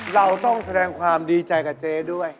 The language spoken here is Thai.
เราต้องแสดงความดีใจกับเจ๊ด้วย